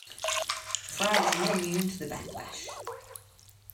Fry was not immune to the backlash.